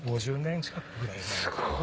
すごい。